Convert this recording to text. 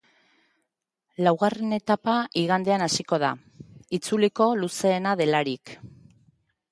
Laugarren etapa igandean hasiko da, itzuliko luzeena delarik.